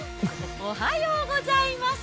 おはようございます。